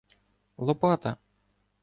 — Лопата!